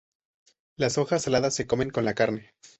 Las hojas saladas se comen con la carne.